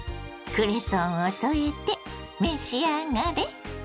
クレソンを添えて召し上がれ。